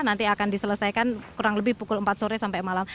nanti akan diselesaikan kurang lebih pukul empat sore sampai malam